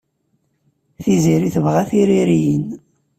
Tiziri tebɣa tiririyin.